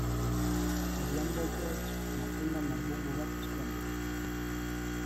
Odhiambo George, matunda marbungu bat eskuan duela.